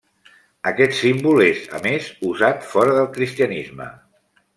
Aquest símbol és, a més, usat fora del cristianisme.